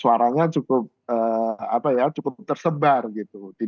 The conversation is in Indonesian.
suaranya cukup apa ya cukup tersebar gitu